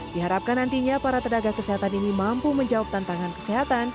diharapkan nantinya para tenaga kesehatan ini mampu menjawab tantangan kesehatan